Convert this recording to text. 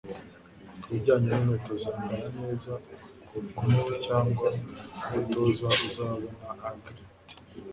Kubijyanye n'inkweto zambara neza kurukweto cyangwa umutoza Uzabona Aglit?